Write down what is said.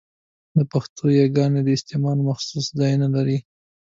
پښتو يګاني د استعمال مخصوص ځایونه لري؛